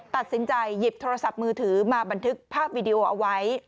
ตัดสินใจหยิบโทรศัพท์มือถือมาบันทึกภาพวิดีโอเอาไว้